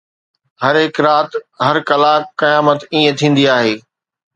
هر هڪ رات، هر ڪلاڪ، قيامت ائين ٿيندي آهي